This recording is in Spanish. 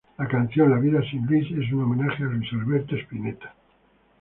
La canción "La vida sin Luis" es un homenaje a Luis Alberto Spinetta.